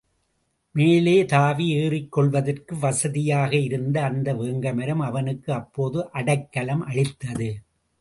மேலே தாவி ஏறிக்கொள்வதற்கு வசதியாக இருந்த அந்த வேங்கை மரம் அவனுக்கு அப்போது அடைக்கலம் அளித்தது.